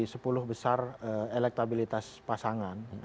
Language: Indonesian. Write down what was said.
sepuluh besar elektabilitas pasangan